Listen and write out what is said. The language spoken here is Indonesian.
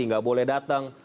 tidak boleh datang